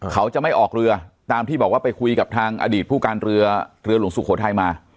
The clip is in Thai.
เขาจะไม่ออกเรือตามที่บอกว่าไปคุยกับทางอดีตผู้การเรือเรือหลวงสุโขทัยมา